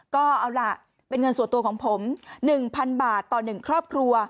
ก็เอาล่ะเป็นเงินส่วนตัวของผม๑๐๐๐บาทต่อ๑ครอบครัว